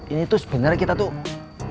ini tuh sebenarnya kita tuh